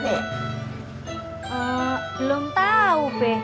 belum tahu be